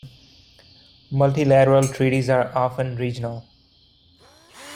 Multilateral treaties are often regional.